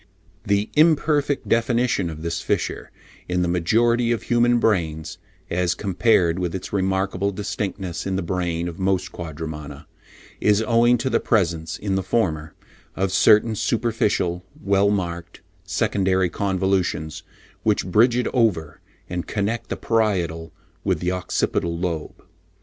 The imperfect definition of this fissure in the majority of human brains, as compared with its remarkable distinctness in the brain of most Quadrumana, is owing to the presence, in the former, of certain superficial, well marked, secondary convolutions which bridge it over and connect the parietal with the occipital lobe.